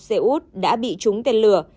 xe út đã bị trúng tên lửa